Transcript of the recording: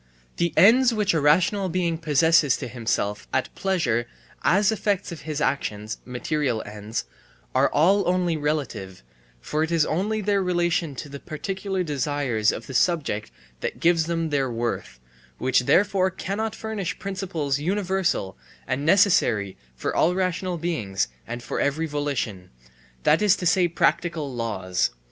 The ends which a rational being proposes to himself at pleasure as effects of his actions (material ends) are all only relative, for it is only their relation to the particular desires of the subject that gives them their worth, which therefore cannot furnish principles universal and necessary for all rational beings and for every volition, that is to say practical laws.